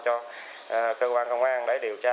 cho cơ quan công an để điều tra